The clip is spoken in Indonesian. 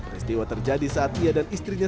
peristiwa terjadi saat ia dan istrinya